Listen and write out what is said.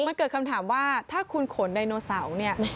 มันเกิดคำถามว่าถ้าคุณขนไดโนเสาร์เนี่ย